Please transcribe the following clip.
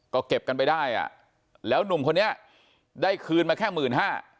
ก็เก็บกันไปได้อ่ะแล้วหนุ่มคนนี้ได้คืนมาแค่หมื่นห้า